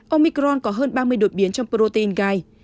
omicron có hơn ba mươi đột biến trong protein gai